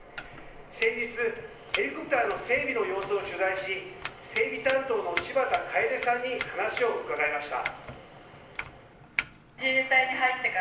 先日、ヘリコプターの整備の様子を取材し整備担当の柴田楓さんに話を伺いました。